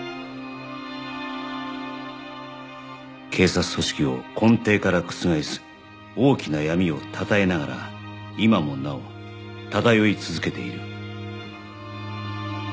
警察組織を根底から覆す大きな闇を湛えながら今も尚漂い続けている